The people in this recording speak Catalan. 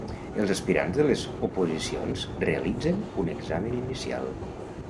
Els aspirants de les oposicions realitzen un examen inicial.